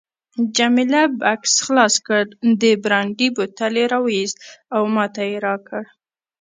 جميله بکس خلاص کړ، د برانډي بوتل یې راوایست او ماته یې راکړ.